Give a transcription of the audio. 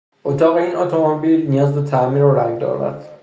اتاق این اتومبیل نیاز به تعمیر و رنگ دارد.